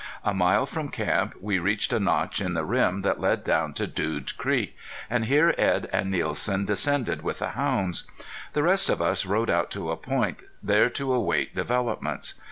A mile from camp we reached a notch in the rim that led down to Dude Creek, and here Edd and Nielsen descended with the hounds. The rest of us rode out to a point there to await developments.